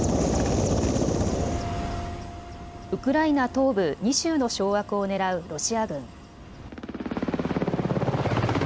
ウクライナ東部２州の掌握をねらうロシア軍。